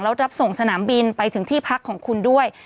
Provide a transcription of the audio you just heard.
แล้วรับส่งสนามบินไปถึงที่พักของคุณด้วย